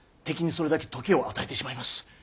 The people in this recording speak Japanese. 敵にそれだけ時を与えてしまいます。